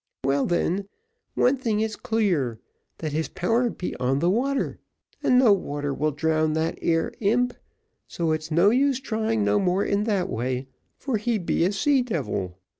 Well, then, one thing is clear; that his power be on the water, and no water will drown that ere imp, so it's no use trying no more in that way, for he be a sea devil.